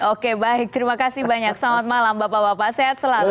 oke baik terima kasih banyak selamat malam bapak bapak sehat selalu